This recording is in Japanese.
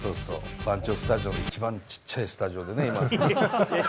番町スタジオの一番ちっちゃいスタジオでね。